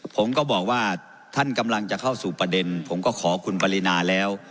ผมก็บอกว่าท่านกำลังจะเข้าสู่ประเด็นผมก็ขอคุณปรินาแล้ว